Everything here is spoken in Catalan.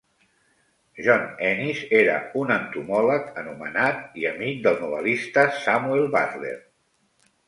John Enys era un entomòleg anomenat, i amic del novel·lista Samuel Butler.